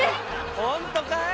ホントかい？